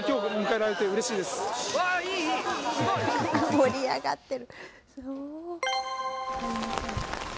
盛り上がってる。